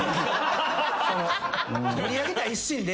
盛り上げたい一心で。